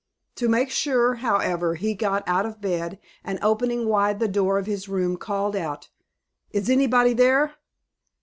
To make sure, however, he got out of bed, and opening wide the door of his room, called out, "Is anybody there?"